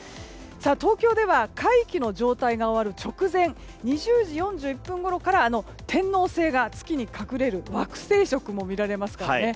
東京では皆既月食が終わる直前２０時４１分ごろから天王星が月に隠れる惑星食も見られますからね。